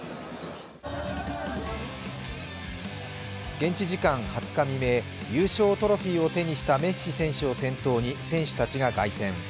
現地時間２０日未明、優勝トロフィーを手にしたメッシ選手を先頭に選手たちが凱旋。